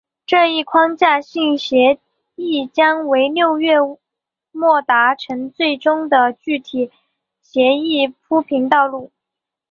这一框架性协议将为六月末达成最终的具体协议铺平道路。